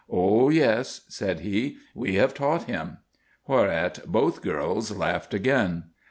"Oh, yes," said he, "we have taught him." Whereat both girls laughed again.